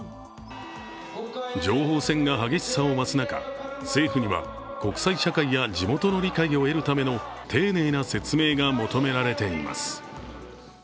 情報戦が激しさを増す中、政府には国際社会や地元の理解を得るための丁寧な説明が求められています。